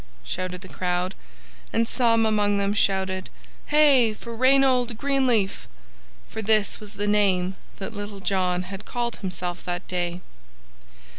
shouted the crowd, and some among them shouted, "Hey for Reynold Greenleaf!" for this was the name that Little John had called himself that day.